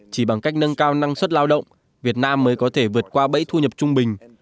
chỉ bằng cách nâng cao năng suất lao động việt nam mới có thể vượt qua bẫy thu nhập trung bình